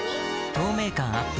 透明感アップ